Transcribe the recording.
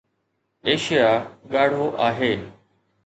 Asia ڳاڙهو آهي.